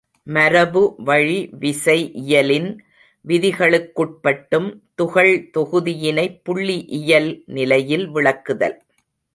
மரபுவழி விசை இயலின் விதிகளுக்குட்படும் துகள் தொகுதியினைப் புள்ளி இயல் நிலையில் விளக்குதல்.